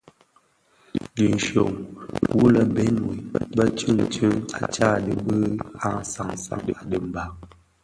Dhi nshyom wu le Benue bè tsuňtsuň a Tchad bi an san a dimbag.